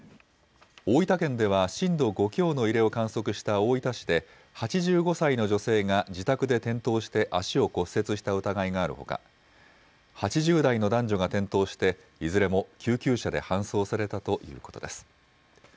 大分県では震度５強の揺れを観測した大分市で８５歳の女性が自宅で転倒して足を骨折した疑いがあるほか８０代の男女が転倒していずれも救急車で搬送されたということです。